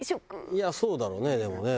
いやそうだろうねでもね。